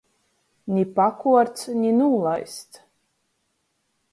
Ni pakuorts, ni nūlaists.